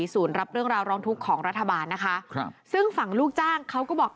รับเรื่องราวร้องทุกข์ของรัฐบาลนะคะครับซึ่งฝั่งลูกจ้างเขาก็บอก